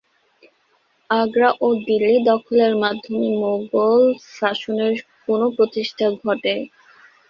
আগ্রা ও দিল্লি দখলের মাধ্যমে মুগল শাসনের পুনঃপ্রতিষ্ঠিতা ঘটে।